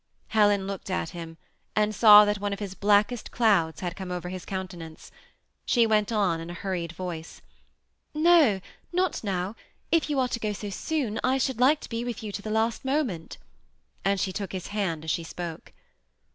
Helen looked at him, and saw that one of his bhickesi clouds had come over his countenance. She went on in . a hurried voice, — THE SEMI ATTACHED COUPLE. 205 ^ No, not now ; if you are to go so soon, I should liko to be with you till the last moment," and she took his hand as she spoke.